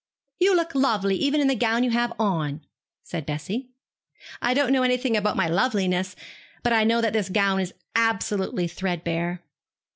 'You look lovely even in the gown you have on,' said Bessie. 'I don't know anything about my loveliness, but I know that this gown is absolutely threadbare.'